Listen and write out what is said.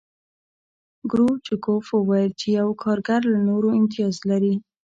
کرو چکوف وویل چې یو کارګر له نورو امتیاز لري